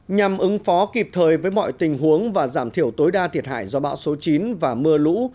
nhằm ứng phó kịp thời với mọi tình huống và giảm thiểu tối đa thiệt hại do bão số chín và mưa lũ